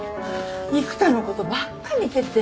育田のことばっか見てて。